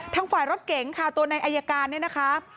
ทางฝ่ายรถเก๋งค่ะตัวในอายการเนี่ยนะคะ